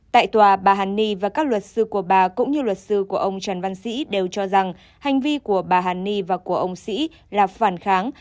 tại tòa bà hàn ni và các luật sư của bà cũng như luật sư của ông trần văn sĩ đều cho rằng hành vi của bà hàn ni và của ông sĩ là phản kháng